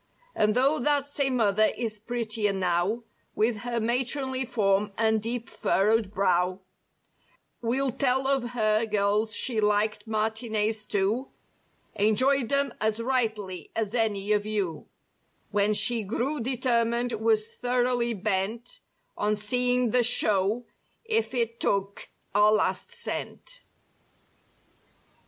And though that same mother is prettier now With her matronly form and deep furrowed brow— We'll tell of her, girls, she liked matinees too— Enjoyed them as rightly as any of you When she grew determined, was thoroughly bent On seeing the show if it took our last cent.